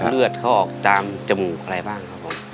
เลือดเขาออกตามจมูกอะไรบ้างครับผม